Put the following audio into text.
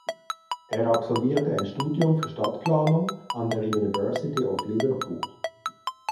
Er absolvierte ein Studium für Stadtplanung an der University of Liverpool.